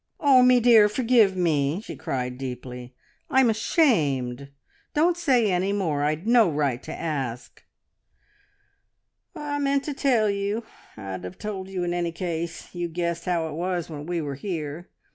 "Oh, me dear, forgive me!" she cried deeply. "I'm ashamed. Don't say any more. I'd no right to ask." "I meant to tell you. I'd have told you in any case. You guessed how it was when we were here.